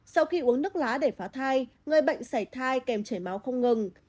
sau khi uống nước lá để phá thai người bệnh xảy thai kèm chảy máu không ngừng